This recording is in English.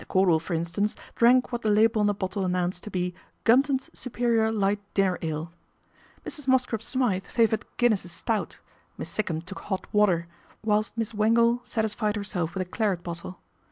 Cordal, for instance, drank what the label on the bottle announced to be "Gumton's Superior Light Dinner Ale." Mrs. Mosscrop Smythe favoured Guinness's Stout, Miss Sikkum took hot water, whilst Miss Wangle satisfied herself with a claret bottle.